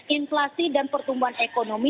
inflasi dan pertumbuhan ekonomi